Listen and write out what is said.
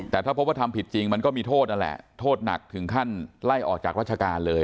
แต่ถ้าพบว่าทำผิดจริงมันก็มีโทษนั่นแหละโทษหนักถึงขั้นไล่ออกจากราชการเลย